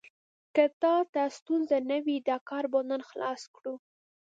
که تا ته ستونزه نه وي، دا کار به نن خلاص کړو.